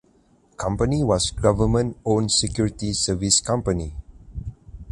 Company was government own security service company.